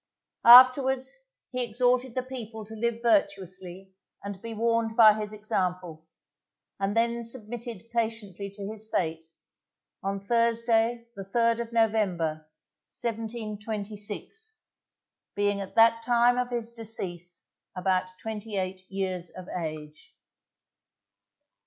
Afterwards he exhorted the people to live virtuously, and be warned by his example, and then submitted patiently to his fate, on Thursday, the third of November, 1726, being at that time of his decease about twenty eight years of age.